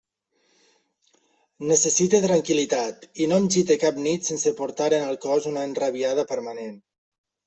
Necessite tranquil·litat, i no em gite cap nit sense portar en el cos una enrabiada permanent.